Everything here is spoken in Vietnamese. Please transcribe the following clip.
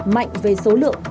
mạnh về số lượng